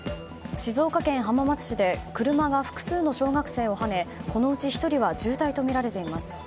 静岡県浜松市で車が複数の小学生をはねこのうち１人は重体とみられています。